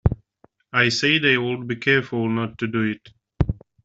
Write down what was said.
I said I would be careful not to do it.